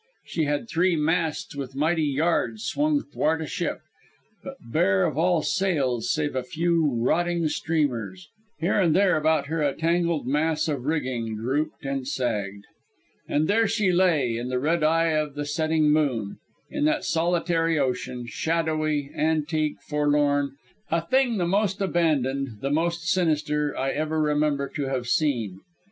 She had three masts with mighty yards swung 'thwart ship, but bare of all sails save a few rotting streamers. Here and there about her a tangled mass of rigging drooped and sagged. And there she lay, in the red eye of the setting moon, in that solitary ocean, shadowy, antique, forlorn, a thing the most abandoned, the most sinister I ever remember to have seen.